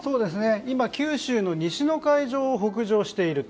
今、九州の西の海上を北上していると。